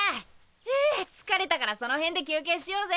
ハァ疲れたからその辺で休憩しよぜ。